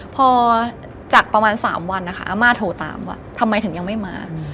พอจากประมาณ๓วันนะคะอาม่าโทรตามว่าทำไมถึงยังไม่มา